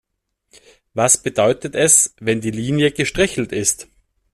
Was bedeutet es, wenn die Linie gestrichelt ist?